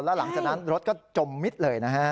แล้วหลังจากนั้นรถก็จมมิดเลยนะฮะ